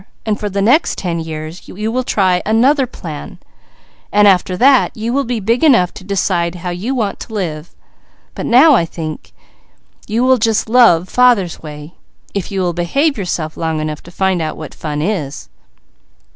For the next ten years you will try another plan; after that, you will be big enough to decide how you want to live; but now I think you will just love father's way, if you will behave yourself long enough to find out what fun it is."